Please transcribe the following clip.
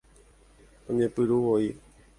Oñepyrũ voi